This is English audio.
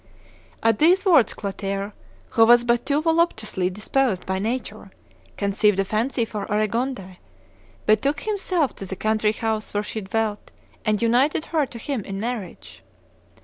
At these words Clotaire, who was but too voluptuously disposed by nature, conceived a fancy for Aregonde, betook himself to the country house where she dwelt, and united her to him in marriage.